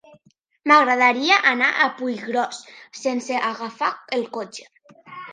M'agradaria anar a Puiggròs sense agafar el cotxe.